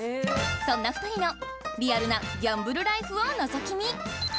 そんな２人のリアルなギャンブルライフを覗き見！